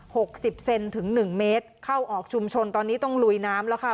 หกสิบเซนถึงหนึ่งเมตรเข้าออกชุมชนตอนนี้ต้องลุยน้ำแล้วค่ะ